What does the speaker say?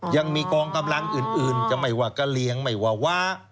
ยังมีกองกำลังอื่นจะไม่ว่ากะเลียงไม่ว่าว้า